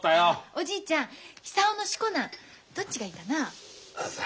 おじいちゃん久男の四股名どっちがいいかな？